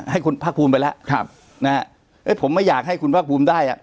ให้คุณภาคภูมิไปแล้วครับนะฮะเอ้ยผมไม่อยากให้คุณภาคภูมิได้อ่ะ